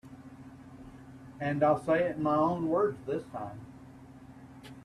And I'll say it in my own words this time.